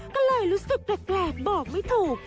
ก็เลยรู้สึกแปลกบอกไม่ถูก